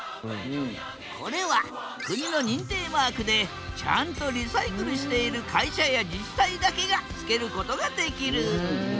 これは国の認定マークでちゃんとリサイクルしている会社や自治体だけがつけることができる。